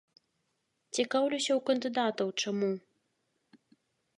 Цікаўлюся ў кандыдатаў, чаму.